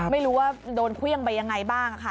ไม่รู้ว่าโดนเครื่องไปยังไงบ้างค่ะ